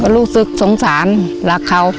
รู้สึกสงสารรักเขา